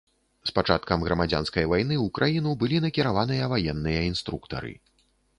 З пачаткам грамадзянскай вайны ў краіну былі накіраваныя ваенныя інструктары.